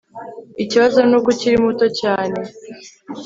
Ikibazo nuko ukiri muto cyane